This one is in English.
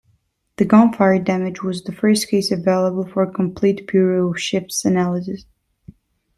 The gunfire damage was the first case available for complete Bureau of Ships analysis.